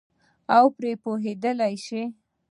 او پرې پوهېدلای شي.